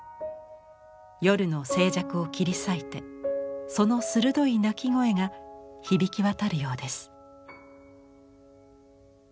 夜の静寂を切り裂いてその鋭い鳴き声が響き渡るようです。